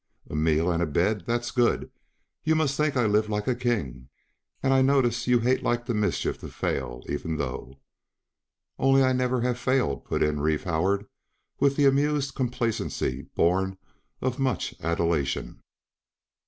"A meal and a bed that's good; you must think I live like a king." "And I notice you hate like the mischief to fail, even though." "Only I never have failed," put in Reeve Howard, with the amused complacency born of much adulation.